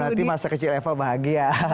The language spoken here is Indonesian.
berarti masa kecil effle bahagia